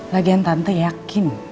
lagian tante yakin